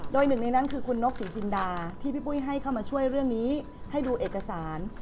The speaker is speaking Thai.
โดยหนึ่งในนั้นคือคุณนกศรีจินดาที่พี่ปุ้ยให้เข้ามาช่วยเรื่องนี้ให้ดูเอกสาร